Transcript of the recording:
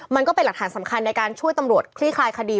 มันก็เป็นหลักฐานสำคัญในการช่วยตำรวจคลี่คลายคดี